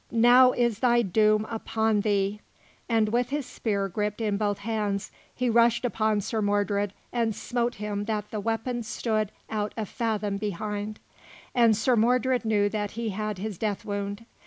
now is thy doom upon thee!" and with his spear gripped in both hands, he rushed upon Sir Mordred and smote him that the weapon stood out a fathom behind. And Sir Mordred knew that he had his death wound.